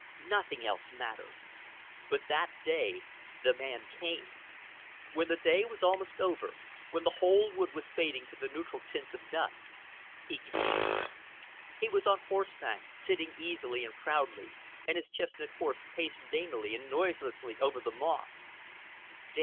Nothing else mattered. But that day the man came. When the day was almost over, when the whole wood was fading to the neutral tints of dusk, he came. He was on horseback, sitting easily and proudly, and his chestnut horse paced daintily and noiselessly over the moss.